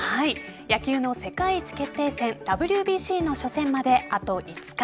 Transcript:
野球の世界一決定戦ＷＢＣの初戦まであと５日。